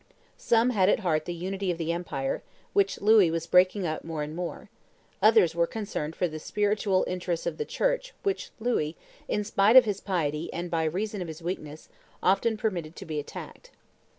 Some had at heart the unity of the empire, which Louis was breaking up more and more; others were concerned for the spiritual interests of the Church which Louis, in spite of his piety and by reason of his weakness, often permitted to be attacked.